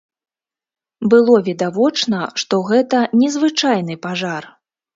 Было відавочна, што гэта незвычайны пажар.